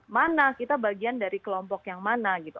mana kita bagian dari kelompok yang mana gitu